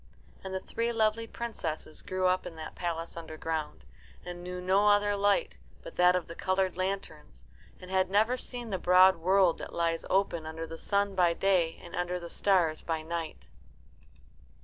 And the three lovely princesses grew up in that palace underground, and knew no other light but that of the coloured lanterns, and had never seen the broad world that lies open under the sun by day and under the stars by night.